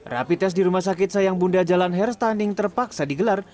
rapi tes di rumah sakit sayang bunda jalan herstaning terpaksa digelar